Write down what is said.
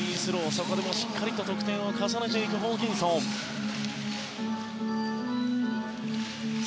そこでもしっかり得点を重ねていくホーキンソンです。